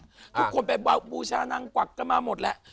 ทุกคนไปบูชานางกวักกันมาหมดแหละ